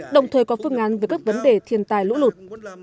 đồng thời có phương án về các vấn đề thiên tài lũ lụt